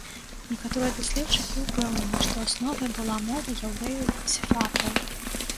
Некаторыя даследчыкі ўпэўнены, што асновай была мова яўрэяў-сефардаў.